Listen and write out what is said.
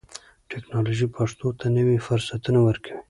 ټکنالوژي پښتو ته نوي فرصتونه ورکوي.